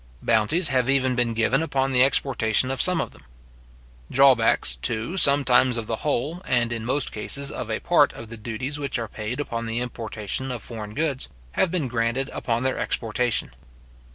Bounties have even been given upon the exportation of some of them. Drawbacks, too, sometimes of the whole, and, in most cases, of a part of the duties which are paid upon the importation of foreign goods, have been granted upon their exportation.